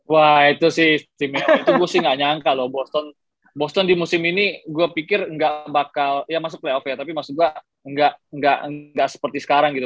wah itu sih itu gue sih gak nyangka loh boston boston di musim ini gue pikir nggak bakal ya masuk playoff ya tapi maksudnya gue gak seperti sekarang gitu